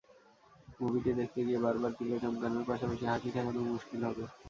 মুভিটি দেখতে গিয়ে বারবার পিলে চমকানোর পাশাপাশি হাসি ঠেকানোও মুশকিল হবে।